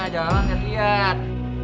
jangan langgar liat